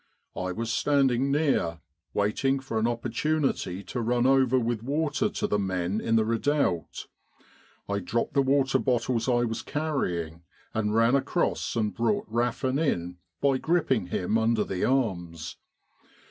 I was standing near, waiting for an opportunity to run over with water to the men in the redoubt. I dropped the water bottles I was carrying and ran across and brought Raffin in by gripping him under the arms.